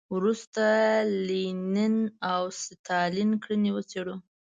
وروسته د لینین او ستالین کړنې وڅېړو.